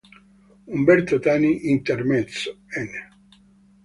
Umberto Tani, "Intermezzo" n.